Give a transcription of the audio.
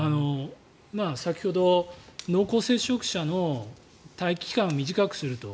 先ほど、濃厚接触者の待機期間を短くすると。